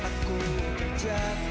aku mah ku jatuh